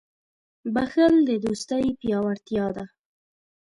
• بښل د دوستۍ پیاوړتیا ده.